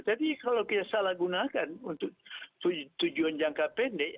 tapi kalau kita salah gunakan untuk tujuan jangka pendek